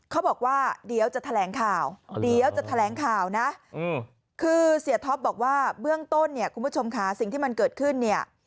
เขาบอกว่าเดี๋ยวจะแถลงข่าวเดี๋ยวจะแถลงข่าวนะคือเสียท็อปบอกว่าเบื้องต้นเนี่ยคุณผู้ชมค่ะสิ่งที่มันเกิดขึ้นเนี่ย